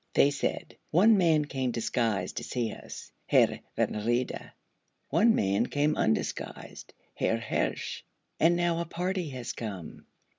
They said, 'One man came disguised to see us (Herr von Wrede), one man came undisguised (Herr Hirsch), and now a party has come.